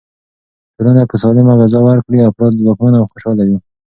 ټولنه که سالمه غذا ورکړي، افراد ځواکمن او خوشحاله وي.